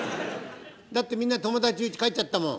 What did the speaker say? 「だってみんな友達家へ帰っちゃったもん」。